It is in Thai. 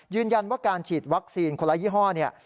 ยืนยันว่าการฉีดวัคซีนคนละยี่ห้อเนี่ย